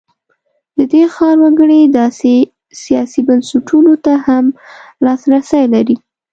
د دې ښار وګړي داسې سیاسي بنسټونو ته هم لاسرسی لري.